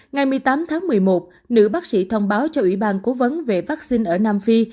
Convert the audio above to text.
ngày một mươi tám tháng một mươi một nữ bác sĩ thông báo cho ủy ban cố vấn về vaccine ở nam phi